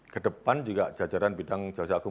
kedepan juga jajaran bidang jasa agung